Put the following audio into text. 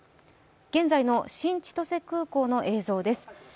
現在の新千歳空港の映像です。